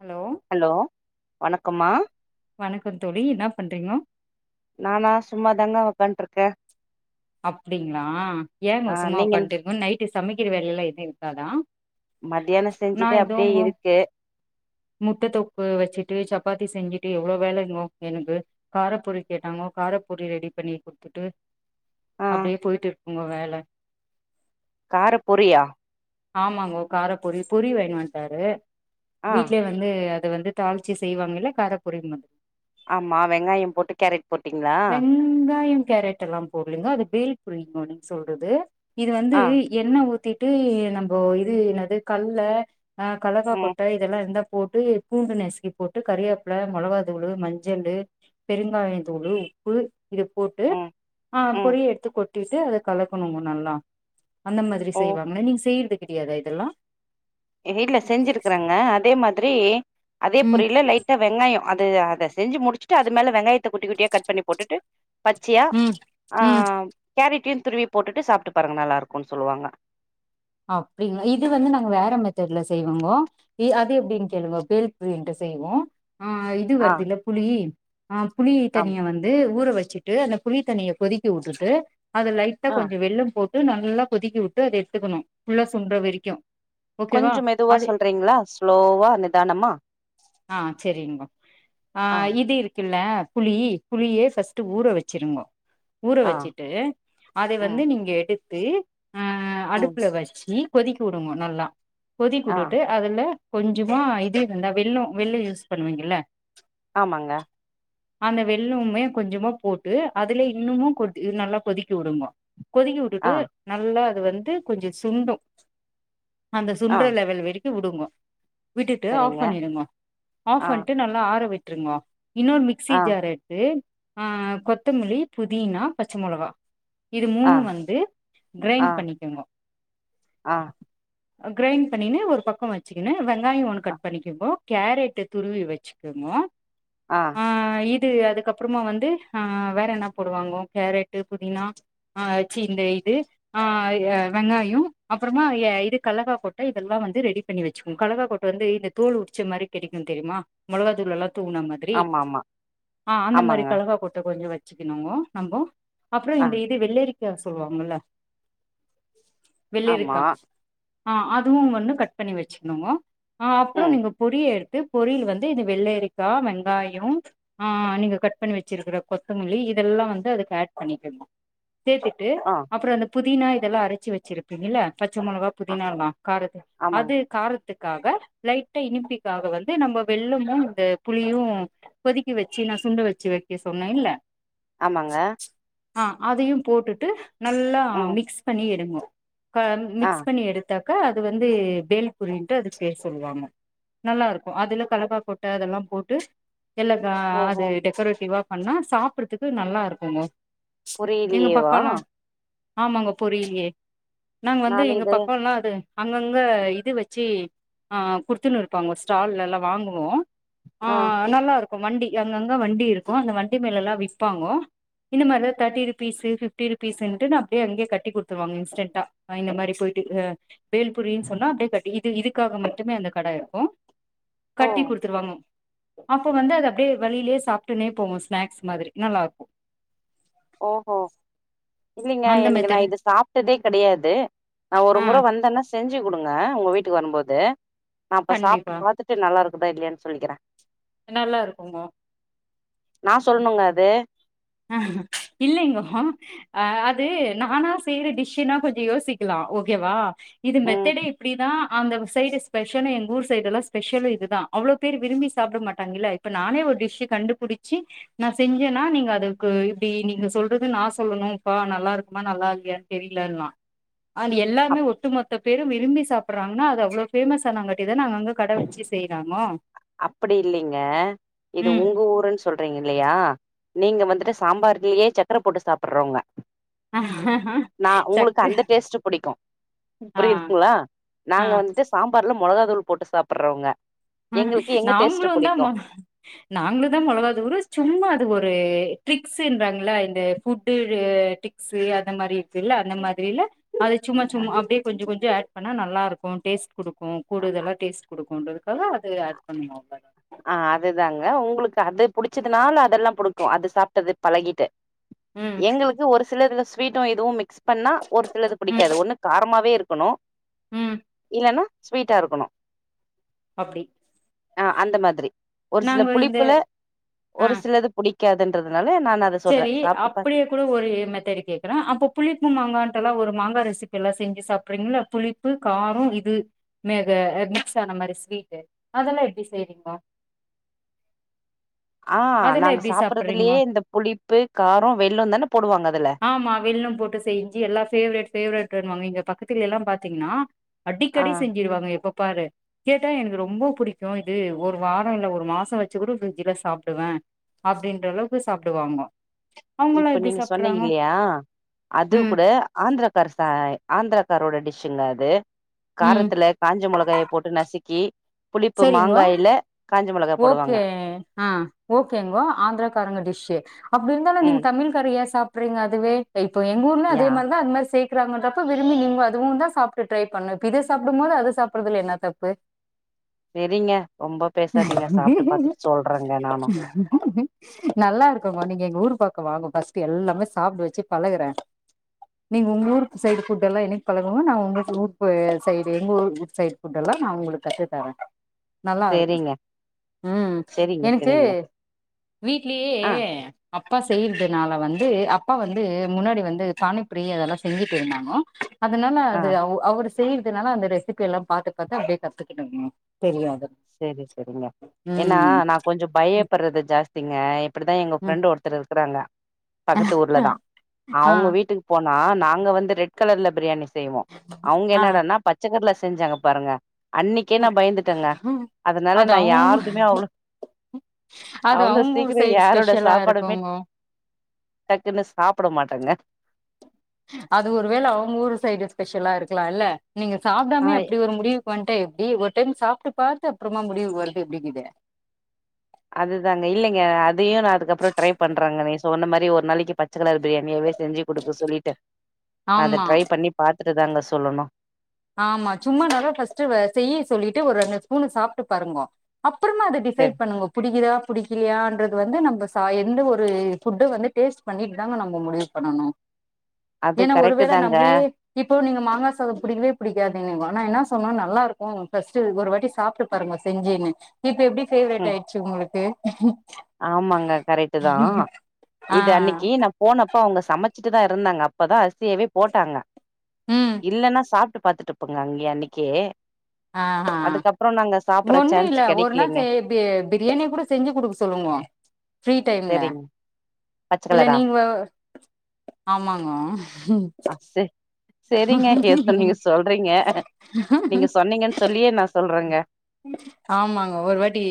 Hello hello வணக்கம்மா வணக்கோ தோழி என்னா பண்றீங்கோ நானா சும்மாதாங்க ஒக்கான்ட்ருக்க அப்டிங்ளா ஆ ஏங்க சும்மா நீங்க என்ன? உக்கான்ட்டு இருக்கோ நைட்டு சமைக்கிற வேலைலா எது இருக்காதா மதியானோ நா செஞ்சது அப்டியே இதோங்கோ இருக்கு முட்ட தொக்கு வச்சிட்டு சப்பாத்தி செஞ்சிட்டு எவ்ளோ வேலங்கோ எனக்கு காரப்பொரி கேட்டாங்கோ காரப்பபொரி ரெடி பண்ணிக் குத்துட்டு ஆ அப்டியே போயிட்டு இருக்குங்கோ வேல காரப் பொரியா ஆமாங்கோ காரப்பொரி பொரி வாங்கின்னு வந்ட்டாரு ஆ வீட்லயே வந் ந்து அத வந்து தாளிச்சி செய்வாங்கல்ல கார பொரி மாரி ஆமா வெங்காயோ போட்டு கேரட் போட்டீங்களா வெங்காயோ கேரட் எல்லா போடலிங்கோ அது பேல் பூரிங்கோ நீங் சொல்றது இது வந்து ஆ எண்ண ஊத்திட்டு நம்போ இது என்னது கல்ல அ கலக்கா ம் கொட்ட இதெல்லா இருந்தா போட்டு பூண்டு நசுக்கி போட்டு கறிவேப்புல மொளகா தூளு மஞ்சள்ளு பெருங்காயந் தூளு ப்பு இத போட்டு ம் அ ம் பொரி எடுத்து கொட்டிட்டு அத கலக்கணுங்க நல்லா அந்த மாதிரி ஓ செய்வாங்க நீங் செய்யறது கெடையாதா இதெல்லா எங்க வீட்ல செஞ்சிருக்கறங்க அதே மாதிரி அதே ம் பொரில லைட் டா வெங்காயோ அது அத செஞ்சு முடிச்சுட்டு அது மேல வெங்காயத்த குட்டி குட்டியா கட் பண்ணி போட்டுட்டு பச்சையா ம் அ ம் கேரட்டயு துருவி போட்டுட்டு சாப்ட்டு பாருங்க நல்லா இருக்குன் சொல்லுவாங்க அப்டிங்களா இது வந்து நாங்க வேற மெத்தட்ல செய்வோங்கோ அது எப்டின்னு கேளுங்க பேல் பூரிண்ட்டு செய்வோ ஆஹ் து ஆ வருதுல்ல புளி ஆ புளி ஆம் தண்ணிய வந்து ந்து ஊற வெச்சிட்டு அந்த புளி தண்ணியக் கொதிக்க உட்டுட்டு அத லைட்டா ஆ கொஞ்சோ வெல்லோம் போட் ட்டு நல்லா கொதிக்கவுட்டு அத எடுத்துக்கணு ஃபுல்லா சுண்ற வரைக்கு ஓகேவா கொஞ்சோ மெதுவா அது சொல்றீங்ளா ஸ்லோவா நிதானமா ஆ சேரிங்பா ஆ இது இரு க்குல்ல புளி புளியே ஃபஸ்ட் ஊற வெச்சுருங்கோ ஊற ஆ வச்சுட்டு அத ம் வந்து நீங்க எடுத்து அ அடு ம் ப்ல வச்சு கொதிக்க வுடுங்கோ நல்லா கொதிக்க ஆ வுட்டுட்டு அதுல கொஞ்சமா இது இருந்தா வெல்லோ வெல்லோ யூஸ் பண்ணுவீங்கல்ல ஆமாங்க [unintelligible] அந்த வெல்லோம்மே கொஞ்சமா போட்டு அதுல இன்னுமு கொதி நல்லா கொதிக்க வுடுங்கோ கொதிக்க ஆ வுட்டுட்டு நல்லா அது வந்து கொஞ்சொ சுண்டு அந்த ஆ சுண்டுற லெவல் வரை க்கு வுடுங்கோ விட்டுட்டு ஆஃப் சரிங்க பண்ணிடுங்க ஆஃப் ஆ பண்ணிட்டு நல்லா ஆற விட்ருங்கோ இன்னொரு மிக்சி ஆ ஜார் எடுத்து ஆ கொத்தமல்லி, புதினா, பச்ச மொளகா. இது ஆ மூணும் வந்து ஆ கிரைன் பண்ணிக்கங்கோ ஆ கிரைன் பண்ணிகுன்னு ஒரு பக்கம் வச்சுக்கின்னு வெங்காயம் ஒண்ணு அ கட் பண்ணிக்கங்கோ கேரட்டு துருவி வச்சுக்கங்கோ ஆ ஆ இது அதுக்கப்புறமா வந்து ஆ வேற என்ன போடுவாங்கோ கேரட்டு, புதினா. ஆ சி இந்த இது ஆ ஏ வெங்காயம் அப்புறமா இது கல்லக்கா கொட்ட இதெல்லா வந்து ரெடி பண்ணி வச்சுக்கோங் கல்லக்கா கொட்ட வந்து இந்த தோல் உரிச்ச மாறி கெடைக்கும் தெரியுமா மொளகாதூள் எல்லா தூவுன மாறி றி ஆமா ஆமா ஆ அந்த மாறி ஆமாங்க கல்லக்காக் கொட்ட கொஞ்சோ வச்சுக்குணுங்கோ நம்போ அப்புறம் ஆ இந்த இது வெள்ளரிக்கா சொல்லுவாங்கல்ல ஆமா வெள்ளரிக்கா ஆ அதுவு ஒன்னு கட் பண்ணி வச்சிக்கண்ணுங்கோ அ அப்றோ ம் நீங்க பொடிய எடுத்து பொரியல் வந்து இது வெள்ளரிக்கா, வெங்காயம் ஆ நீங்க கட் பண்ணி வச்சிருக்க கொத்தமல்லி இதெல்லா வந்து அதுக்கு ஹேட் பண்ணிக்கணு சேத்துட்டு ஆ அப்றோ இந்த புதினா இதெல்லா அரைச்சு வச்சிருப்பீங்கல்ல பச்ச மொளகா, அ புதினா எல்லா காரத்துக்கு ஆமாங் அது காரத்து க்காக லைட்டா இனிப்பிக்காக வந்து நம்ம வெள்ளமும் இந்த புளியு கொதிக்க வச்சு நா சுண்ட வச்சு வெக்க சொன்னேல்ல ஆமாங்க ஆ அதையு போட்டுட்டு நல்லா ம் மிக்ஸ் பண்ணி எடுங்கோ க ஆ மிக்ஸ் பண்ணி எடு த்தாக்கா அது வந்து பேல்பூரின்னு அது பேர் சொல்லுவாங்க. நல்லா இருக்கும் அதுல கல்லக்காகொட்ட அதெல்லா போட்டு எல்லா ஓஹோ அது டெக்கரேட்டிவா பண்ணா சாப்பட்றதுக்கு நல்லா இருக்குங்கோ எங்க புரியலையேவா பக்கோல்லா ஆமாங்க பொரிலையே நாங்க வந்து நான் எங்க இது பக்கோல்லா அது அங்கங்க ம் இது வச்சு அ குடுத்துன்னு இருப்பாங்க ஸ்டால்ல எல்லா வாங்குவோ ஆ நல்லா இருக்கும் வண்டி அங்கங்க வண்டி இருக்கும் அந்த வண்டி மேல எல்லா விப்பாங்கோ இந்த மாறிதா தேட்டி ருபீஸ்சு பிஃப்டி ருபீஸ்ன்னுட்டு அப்டியே அங்யே கட்டி குடுத்துருவாங்க துட்டா அ இந்த மாறி போயிட்டு அ பேல்புரின்னு சொன்னா அப்டியே கட்டி இது இதுக்காக மட்டுமே அந்த கடை இருக்கும். ஓ கட்டி குடுத்துருவாங்க அப்ப வந்து அது அப்டியே வழியிலயே சாப்ட்டுன்னே போவோ ஸ்நாக்ஸ் மாதிரி நல்லா இருக்கும். ஓ ஓ இல்லீங்க அந்த எனக்கு நா மெத்தட் இத சாப் டதே கெடையாது நா ஒரு ஆ முறை வந்தேன்னா செஞ்சு குடுங்க உங்க வீட்டுக்கு வரும்போது நா அப்ப சாப்ட்டு கண்டிப்பா பாத்துட்டு நல்லா இருக்குதா இல்லயான்னு சொல்லிக்கறே நல்லா இருக்குங்கோ நா சொல்ணுங்க அது அ இல்லைங்கோ ஆ அது நானா செய்ற டிஷ்னா கொஞ்சோ யோசிக்கலா ஓக்கேவா இது ம் மெத்தெடே இப்டிதா அந்த சைடு ஸ்பெஷலே எங்க ஊர் சைடுல்லா ஸ்பெஷலே இதுதா அவ்ளோ பேர் விரும்பி சாப்ட மாட்டாங்க இல்ல இப்ப நானே ஒரு டிஷ்சு கண்டுபுடிச்சி நா செஞ்சேன்னா நீங்க அது க்கு இப்டி நீங்க சொல்றது நா சொல்லணுப்பா நல்லா இருக்குமா நல்லா இல்லையா தெரியலன்லா அண்ட் அப் எல்லாமே ஒட்டுமொத்தப் பேரும் விரும்பி சாப்புறாங்கன்னா அது அவ்ளோ பேமஸ் ஆனங்காட்டியுதான அங்கங்க கட வெச்சி செய்றாங்க அப்படி இல்லீங்க இது ம் உங்க ஊருன்னு சொல்றீங் இல்லயா நீங்க வந்துட்டு சாம்பார்லியே சக்கர போட்டு சாப்புறவுங்க நா உங்களுக்கு சக்கு அந்த டேஸ்ட்டு புடிக்கு ஆ புரியித் ங்களா ஆ நாங்க வந்துட்டு சாம்பார்ல மொளகா தூள் போட்டு சாப்புறவுங்க ம் நாங்ளு தா மொன் நாங்ளு தா மொளகாதூளு ச்சும்மா அது ஒரு ட்ரிக்ஸ்ஸுன்றாங்ளா இந்த ஃபுட்டு்ரு டிக் ஸு அந்த மாரி இருக்குல்ல அந்த மாதிரி இல்ல அது ச்சும்மா ச்சும்மா அப்டே கொஞ்சு கொஞ்சு ஆட் பண்ணா நல்லார்க்கு டேஸ்ட் குடுக்கோ கூடுதல்லா டேஸ்ட் குடுக்குன்றது பிற அது ஆட் பண்ணுவோ அவ்ளதா ஆ அதுதாங்க உங்ளுக்கு அது புடிச்சதுனால அதல்லா புடுக்கு அது சாப்ட்டது பழகிட்டு ம் எங்களுக்கு ஒரு சிலதுல ஸ்வீட்டு இதுவு மிக்ஸ் பண்ணா ஒரு சிலது ம் புடிக்காது ஒண்ணு காரமாவே இருக்குணு ம் என்ன ஸ்வீட்டா இர்க்கணு ஆப்டி த்ரி ஒர் சில புளிப்புல ஒரு சிலது புடிக்காதுன்றதுனால நான் அத் ச்செரி அப்படியே குழு ஒரு மெத்தடி கேக்குறா அப்பு புளிப்பு மாங்கான்ட்டாலா ஒரு மாங்கா ரெசிபில்லா செஞ்சி சாப்ரீங்ல புளி ப்பு காரோ இது நேக அத் மிக்ஸ் ஆன மாரி ஸ்வீட்டு அதெல்லா எப்டி செய்றீங்கா ஆ நாங்க சாப்றதில்லே இந்த புளிப்பு காரோ வெல்லோன்தான போடுவாங் அதுல ஆமா வெல்லோ போட்டு செஞ்சி எல்லா ஃபேவரேட் ஃபேவரேட்டுன்வாங்க இங்க பக்கத்துல எல்லா பாத்தீங்னா ஆ அடிக்கடி செஞ்சிடுவாங்க எப்ப பாரு கேட்டா எனக்கு ரொம்ப புடிக்கோ இது ஒரு வாரோ இல்ல ஒரு மாச வச்சி கூட ஃப்ரிஜ்ஜுல சாப்டுவே அப்டின்ற அளவ்க்கு சாப்டுவாங்கோ அவங்கல்லா இப்ப எப்டி நீங்க சொன்னீங் சாப்டுறாங்கோ இல்யா அது ம் கூட ஆந்த்ராக்கர்சாய் ஆந்த்ராக்காரோட டிஷ்ஷுங்ளா அது ம் காரத்துல காஞ்ச மொளகாய போட்டு நசுக்கி புளிப்பு மாங்காய்ல காஞ்சி மொளகா போடுவாங்க எ ஆ ஓகேங்கோ ஆந்த்ராகாரங்க டிஷ்ஷு அப்டி இருந்தாலு நீங்க ம் தமிழ் கார் ஏ சாப்றீங்க அதுவே அ இப்போ எங்க ஊர்ல அதே யா மார்தா அந்மார் சே க்கிறாங் அன்றப்ப விரும்பி நீங் அதுவுன்தா சாப்ட்டு ட்ரை பண்ணு இப் இது சாப்டும்போது அது சாப்றதுல என்ன தப்பு செரிங்க ரொம்ப பேசாதீங்க சாப்ட்டு பாத்துட்டு சொல்றேங்க நானு நல்லா இருக்கங்கோ நீங் எங் ஊரு பக்கோ வாங்கோ பஸ்ட்டு எல்லாமே சாப்ட வச்சி பழகுற நீங்க உங்க ஊருக் சைடு ஃபுட்டெல்லா என்னிக் பழகறமோ நா உங்குள்க்கு ரூப்பு சைடு எங்க ஊர் உ சைட் ஃபுட்டல்லா நா உங்ளு கத்து தர நல்லாருக்கு செரிங்க ம் செரிங்க எனக்கு செரிங்க வீட்லியேயே ஆ அப்பா செய்யற்துனால வந்து அப்பா வந்து முன்னாடி வந்து பாணிப்பரி அதெல்லா செஞ்சிட் இருந்தாங்கோ அதனால ஆ அது அவ் அவ்ரு செய்யிற்துனால அந்த ரெசிபி எல்லா பாத்து பாத்து அப்டே கத்துக் தெரியாது சரி சரிங்க ஏன்னா நா கொஞ்சு பயப்பர்றது ஜாஸ்திங்க எ ப்டிதா எங்க ம் ஃப்ரெண்டு ஒருத்துரு இருக்குறாங்க பக்கத்து ஊர்ல தா ஆ அவ்ங்க வீட்டுக் போனா நாங்க வந்து ரெட் கலர்ல பிரியாணி செய்வோ அவ்ங் ஆ என்னாடான்னாப் பச்சக்கர்ல செஞ்சாங்க பாருங்க அன்னைக்கே நா பயந்துட்டங்க அதனால அது நா அவுங்க யாருதுமே அவ்ளோ அது அவ்ளோ அவங்க ஊர் சீக்கிரோ சைடு யாரோட ஸ்பெஷலா சாப்பாடுமே இருக்குங்க டக்குன்னு சாப்ட மாட்டாங்க அது ஒருவேள அவுங்க ஊரு சைடு ஸ்பெஷலா இருக்கலா இல்ல நீங்க ஆ சாப்டாமேயே அப்டி ஒரு முடிவுக்கு வண்ட்டா எப்டி ஒரு டைம் சாப்ட்டு பாத்து அப்புறமா முடிவு வருது எப்டிக்கீது அதுதாங்க இல்லைங்க அதையு நா அதுக்கப்றோ ட்ரை பண்றாங்க நீ சோன்ன மாரி ஒரு நாளைக்கு பத் பச்ச கலர் பிரியாணியாவே செஞ்சி குடுக்க சொல்லிட்டு நா அத ஆமா ட்ரை பண்ணி பாத்துட்டு தாங்க சொல்லனு ஆமா சும்மா நல்லா ஃபஸ்ட்டு வே செய்ய சொல்லிட்டு ஒரு ரெண்டு ஸ்பூனு சாப்ட்டு பாருங்கோ அப்புறமா அது டிசைட் சரி பண்ணுங்கோ புடிக்குதா பிடிக்கிலியான்றது வந்து நம்ப ச எந்த ஒரு ஃபுட்ட வந்து டேஸ்ட் பண்ணிட்டு தாங்க நம்ப முடிவு பண்ணணு அது ஏனா கரெக்ட் ஒருவேள தாங்க நம்பிளியே இப்ப நீங்க மாங்கா சாதோ புடிக்கவே புடிக்காதுன்னீங்கோ ஆனா என்ன சொல்னு நல்லா இருக்கு ஃபஸ்ட் ஒரு வாட்டி சாப்ட்டு பாருங்க செஞ்சீனு இப்ப எப்டி பேவரட் ம் ஆய்ட்ச்சி உங்களுக்கு ஆமாங்க கரெக்ட் தா ஆ இது அன்னைக்கு நா போனப்ப அவுங்க சமச்சிட்டு தா இருந்தாங்க அப்பதா அரிசியவே போட்டாங்க ம் இல்லன்னா சாப்ட்டு பாத்துட் இப்பங்க அங்கியே அன்னிக்கே ஆஹா அதுக்கப்புறோ நாங்க சாப்பற சான்ஸ் கெடைக்கலீங்க து பிரியாணிய கூட செஞ்சி குடுக்க சொல்லுங்க ஃப்ரீ டைம்ல செரிங்க பச்ச இல்ல கலரா நீங் வ ஆமாங்கோ ம் செரிங்க ஏதோ நீங்க ஆமாங்க சொல்றீங்க நீங்க சொன்னீங்கன் சொல்லியே நா சொல்றங்க ஆமாங்க ஒரு வாட்டி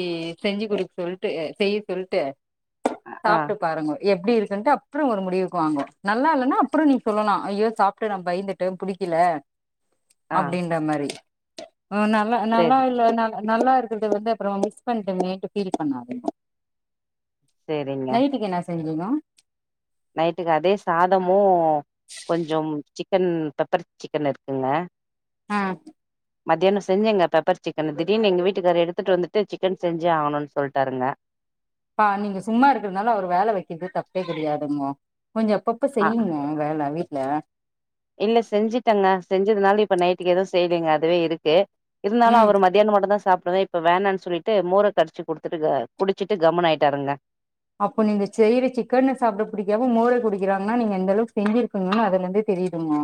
செஞ்சி குடுக் சொல்ட்டு செய்ய சொல்ட்டு ஆ சாப்ட்டு பாருங்கோ எப்டி இருக்குன்ட்டு அப் அப்றோ ஒரு முடிவுக் வாங்கோ நல்லா இல்லனா அப்றோ நீ சொல்லலா ஐயோ சாப்ட்டு நா பயந்துட்டு புடிக்கல ஆ அப்படின்ற மாரி நல்லா நல்லா செரி இல்ல நல் நல்லா இருக்கறது வந்து அப்புறோ மிஸ் பண்ட்ட மேன்ட்டு ஃபீல் பண்ணாதீங்கோ செரிங்க நைட்டுக்கு என்ன செய்வீங்கோ நைட்டுக்கு அதே சாதமு கொஞ்சம் சிக்கன் பெப்பர் சிக்கன் இருக்குங்க ஆ மத்யானோ செஞ்சங்க பெப்பர் சிக்கனு திடீர்னு எங்க வீட்டுக்காரு எடுத்துட்டு வந்துட்டு சிக்கன் செஞ்சே ஆவணுன் சொல்ட்டாருங்க பா நீங்க சும்மா இருக்கறதுனால அவர வேல வெக்கிறது தப்பே கெடையாதுங்கோ கொஞ்ச அப்பப் இப்ப ஆ செய்யுங்க வேல வீட்ல இல்ல செஞ்சிட்டங்க செஞ்சதுனால இப்ப நைட்டுக்கு எதுவு செய்லிங்க அதுவே இருக்கு இருந்தாலு ம் அவர் மதியாணோ மட்டு தா சாப்டுவே இப்ப வேணான் சொல்லிட்டு மோர கடிச்சி குடுத்துட்டு க குடிச்சிட்டு கம்முனு ஆயிட்டாருங்க அப்போ நீங்க செய்ற சிக்கன்ன சாப்ட புடிக்காம மோர குடிக்றாங்னா நீங்க எந்த அளவுக் செஞ்சிர் பீங்கன் அதுலந்தே தெரியுதுங்க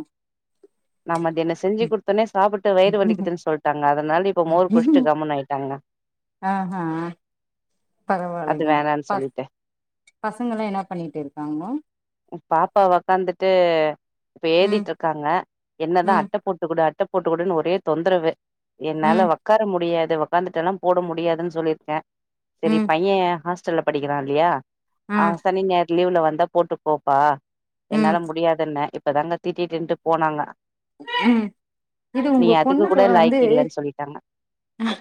நா மதியாண செஞ்சி குட்த்தோனே சாப்புட்டு வயிறு வலிக்குதுன் சொல்ட்டாங்க அதனால இப்போ மோர் குட்ஸ்டு கம்முனாய்ட்டாங்க ஆஹா அது பரவால்லைங்கோ வேணான்னு ப சொல்லிட்டு பசங்க எல்லா என்ன பண்ணிட்ருக்காங்கோ பாப்பா ஒக்காந்துட்டு இப்ப ம் ஏதிட்ருக்காங்க என்னதா ம் அட்ட போட்டு குடு அட் ட போட்டுக்குடுன் ஒரே தொந்தரவு என்னால ம் ஒக் கார முடியாது ஒக்காந்துட்டெல்லா போட முடியாதுன் சொல்லிர்க்கே செரி ம் பைய ஆஸ் சல்ல படிக்கிறா இல்லையா ஆ அவ சனி ஞாயிர் லீவ்ல வந்தா போட்டு போப்பா ம் என்னால முடியாதுன்ன இப்பதாங்க தீட்டிட்டுனுட்டு போனாங்க ம் இது நீ உங்க அதுக்கு பொண்ணுக்கு கூட வந்து லாய்க்கு இல்லன்னு சொல்லிட்டாங்க ம்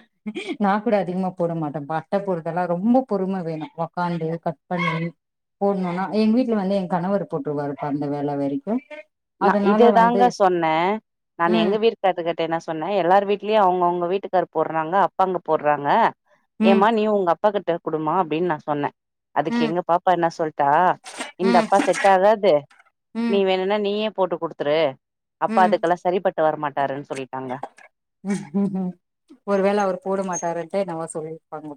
நா கூட அதிகமா போட மாட்டே பட்டை போடுதெல்லா ரொம்ப பொறுமை வேணு உக்காந்து கட் பண்ணி போடணும்னா எங்க வீட்டு்ல வந்து எ கணவர் போட்டுருவாருப்ப அந்த வேல வரைக்கு நா அதனால இது வந்து தாங்க சொன்னே நா ம் எங்க வீட்டு கத்துக்கட்டட்டு என்ன சொன்னே எல்லார் வீட்லயு அவங்க அவங்க வீட்டுக்காரு போடுறாங்க அப்பாங்க போடுறாங்க ம் ஏமா நீ உங்க அப்பா கிட்ட குடுமா அப்படின்னு நா சொன்னே அதுக்கு ம் எங்க பாப்பா என்ன சொல்ட்டா இந்த ம் அப்பா செட் ஆகாது நீ ம் வேணுன்னா நீயே போட்டு குடுத்துரு அப்பா ம் அதுக்கெல்லா சரி பட்டு வரமாட்டாருன்னு சொல்லிட்டாங்க ம் ம் ஒருவேள அவரு போட மாட்டாருண்ட்டு நம்ம சொல்லியிருப்பாங்க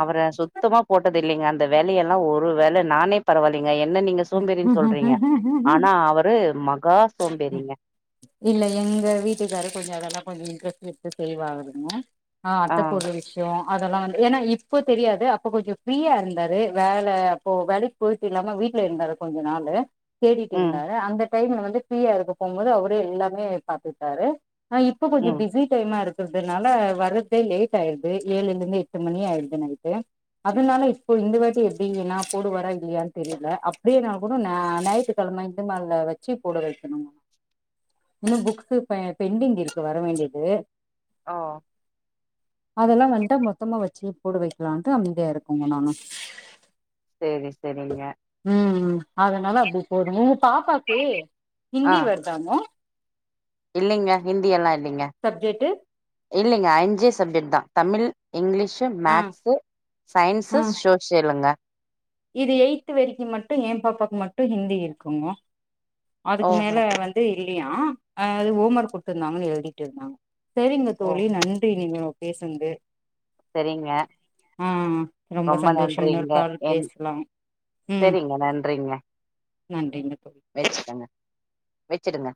அவற சுத்தமா போட்டது இல்லைங்க அந்த வேலையெல்லா ஒரு வேல நானே பரவாயில்லைங்க என்ன நீங்க சோம்பேறின்னு சொல்றீங்க ஆனா அவரு மகா சோம்பேறிங்க இல்ல எங்க வீட்டுக்கார கொஞ்ச அதெல்லா கொஞ்ச இன்ட்ரெஸ்ட் எடுத்து செய்வாகுதுங்க ஆ அத்த போற விஷ் யோ அதெல்லா வந்து ஏன்னா இப்போ தெரியாது அப்ப கொஞ்ச ரீயா இருந்தாரு வேலை அப்போ வேலைக்கு போயிட்டு இல்லாம வீட் ல இருந்தாரு கொஞ்ச நாள்ளு ம் தேடிட்ருந்தாரு அந்த டைம்ல வந்து ஃபரீயா இருக்க போகும்போது அவரே எல்லாமே பாத்துட்டாரு அ இப்போ கொஞ்ச ம் பிஸி டைமா இருக்கிறதுனால வர்றதே லேட் ஆயிடுது ஏழுல இருந்து எட்டு மணி ஆயிடுது நைட்டு அதனால இப்போ இந்த வாட்டி எப்படி ஏன்னா போடுவாரா இல்லையான்னு தெரியல அப்படியே நா கூணு ஞாயித்துக்கெழமை இந்த மா வச்சு போட வைக்கணுமா இன்னு புக்ஸ்ஸு ப பெண்டிங் இருக்கு வர வேண்டியது ஓ அதெல்லா வந்துட்டா மொத்தமா வச்சு போடு வைக்கலாம்ட்டு அமைதியா இருக்கங்க நானு சரி சரிங்க ம் அதனால அப்படி போது உங்க பாப்பாக்கு ஆ ஹிந்தி வருதாங்க இல்லைங்க ஹிந்தியல்லா இல்லைங்க சப்ஜெக்ட்டு இல்லைங்க அஞ்சே சப்ஜெக்ட் தா தமிழ் இங்கிலீஷ் சு ஆ மேக்ஸு ஆ சயின்ஸ்சு சோசியலங்க இது எயி்த்து வரைக்கு மட்டு எ பாப்பாக்கு மட்டு ஹிந்தி இருக்குங்க அதுக்கு மேல ஓஹோ வந் து இல்லையா எது ஹோம் ஒர்க் கொட்ட இருந்தாங்கன்னு எழுதிட்ருந்தாங்க சரிங்க ஓ தோழி நன்றி நீங்க பேசுந்து சரிங்க ஆ ரொம்ப சந்தோஷ இன்னொரு நன்றிங்க கால் என் பேசலாம் ம் சரிங்க நன்றிங்க நன்றிங்க தோழி வச்சுக்கங்க வச்சுடுங்க